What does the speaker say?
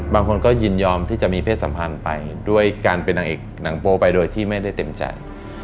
บางคนก็ยินยอมที่จะมีเพศสัมพันธ์ไปด้วยการเป็นนางเอกหนังโป้ไปโดยที่ไม่ได้เต็มใจ